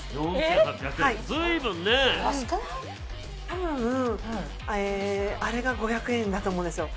多分あれが５００円だと思うんですよ